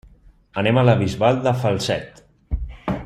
Anem a la Bisbal de Falset.